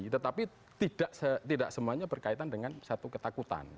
tetapi tidak semuanya berkaitan dengan satu ketakutan